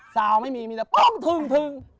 สาวไม่มีมีแต่ปึ้งทึ่ง